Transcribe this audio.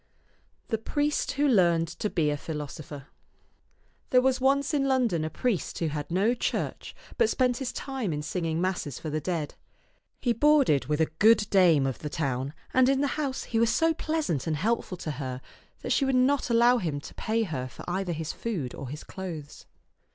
THE PRIEST WHO LEARNED TO BE A PHILOSOPHER THERE was once in London a priest who had no church, but spent his time in singing masses for the dead. He boarded with a good dame of the town, and in the house he was so pleasant and helpful to her that she would not allow him to pay her for either his food or his clothes.